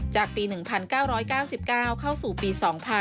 จากปี๑๙๙๙เข้าสู่ปี๒๕๖๒